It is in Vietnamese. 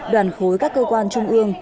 đoàn khối các cơ quan trung ương